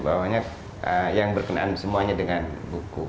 bahwanya yang berkenaan semuanya dengan buku